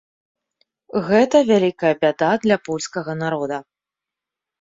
Гэта вялікая бяда для польскага народа.